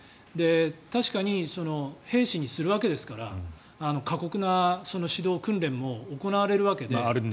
確かに兵士にするわけですから過酷な指導・訓練も行われるわけで。